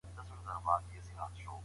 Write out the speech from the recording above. مطالعه لرونکي خلګ ډېر راښکونکي وي.